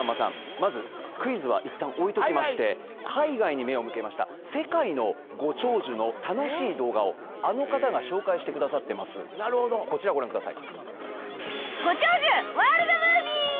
まずクイズは一旦置いときまして海外に目を向けました世界のご長寿の楽しい動画をあの方が紹介してくださってますなるほどこちらご覧ください